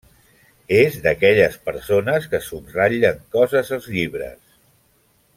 És d'aquelles persones que subratllen coses als llibres.